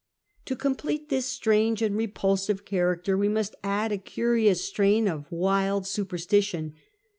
To complete this strange and repulsive character we must add a curious strain of wild superstition.